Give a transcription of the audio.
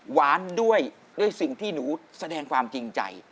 หวานด้วยด้วยสิ่งที่หนูแสดงความจริงใจ